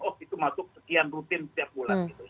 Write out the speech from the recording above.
oh itu masuk sekian rutin setiap bulan gitu